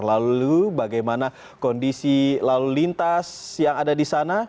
lalu bagaimana kondisi lalu lintas yang ada di sana